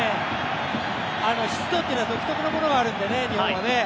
湿度っていうのは独特のものがあるんでね、日本って。